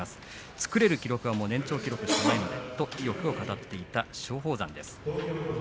作れる記録はもう年長記録しかないので、と語っていた松鳳山です。